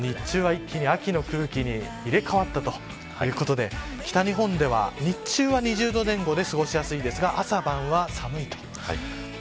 日中は一気に秋の空気に入れ替わったということで北日本では日中は２０度前後で過ごしやすいですが朝晩は寒いと。